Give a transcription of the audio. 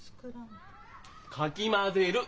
かき混ぜる。